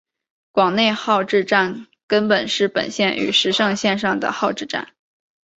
广内号志站根室本线与石胜线上的号志站。